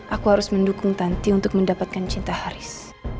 aku harus mendukung tanti untuk mendapatkan cinta haris